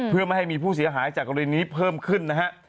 เพื่อไม่ให้มีผู้เสียหายจากกรณีนี้เพิ่มขึ้นนะฮะ